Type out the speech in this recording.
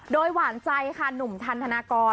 โดยหวานใจค่ะหนุ่มทันธนากร